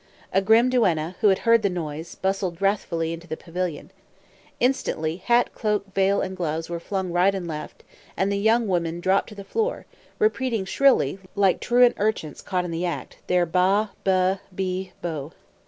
A grim duenna, who had heard the noise, bustled wrathfully into the pavilion. Instantly hat, cloak, veil, gloves, were flung right and left, and the young women dropped on the floor, repeating shrilly, like truant urchins caught in the act, their "ba, be, bi, bo."